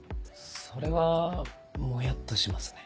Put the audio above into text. それはもやっとしますね。